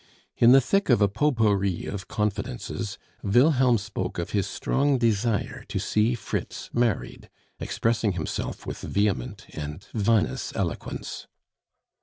In the thick of a potpourri of confidences, Wilhelm spoke of his strong desire to see Fritz married, expressing himself with vehement and vinous eloquence.